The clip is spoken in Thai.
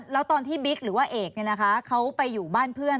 แล้วตอนที่บิ๊กหรือว่าเอกเขาไปอยู่บ้านเพื่อน